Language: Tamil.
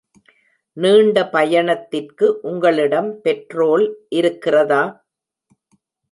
நீண்ட பயணத்திற்கு உங்களிடம் பெட்ரோல் இருக்கிறதா?